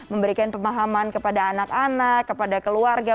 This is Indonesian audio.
memberikan pemahaman kepada anak anak kepada keluarga